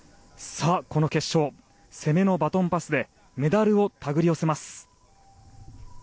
決勝、攻めのバトンパスでメダルを手繰り寄せます。